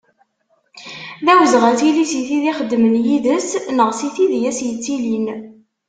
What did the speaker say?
D awezɣi ad tili si tid ixeddmen yid-s, neɣ si tid i d as-yettilin.